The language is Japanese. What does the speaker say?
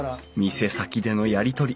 店先でのやり取り。